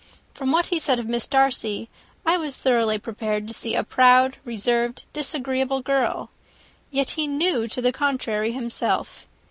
From what he said of Miss Darcy, I was thoroughly prepared to see a proud, reserved, disagreeable girl. Yet he knew to the contrary himself.